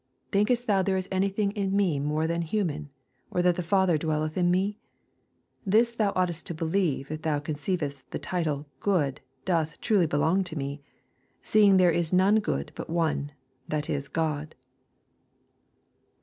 Thinkest thou there is anything in me more than human, or that the Father dwelleth in me ? This thou oughtest to believe if thou conceivest the titl© ' good* doth truly belong to me, seeing there is none good but one, that is Grod.